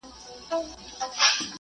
باد د ونې پاڼې ډېر لرې ځایونو ته وړي.